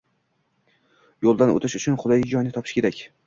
yo‘ldan o‘tish uchun qulay joyni topish kerak.